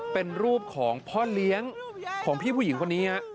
เป็นรูปของพ่อเลี้ยงของพี่ผู้หญิงคนนี้